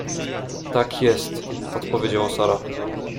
— Tak jest — odpowiedziała Sara.